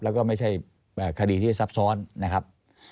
แล้วก็ไม่ใช่คดีที่ซับซ้อนนะครับ